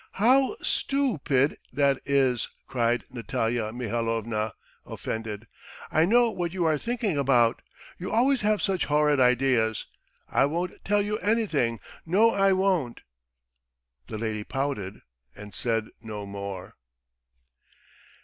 "How stu upid that is!" cried Natalya Mihalovna, offended. "I know what you are thinking about! You always have such horrid ideas! I won't tell you anything! No, I won't!" The lady pouted and said no more.